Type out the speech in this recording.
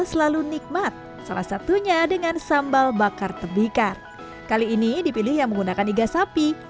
selalu nikmat salah satunya dengan sambal bakar tebikar kali ini dipilih yang menggunakan iga sapi